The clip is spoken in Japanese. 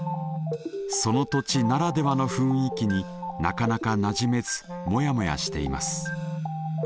その土地ならではの雰囲気になかなかなじめずモヤモヤしています。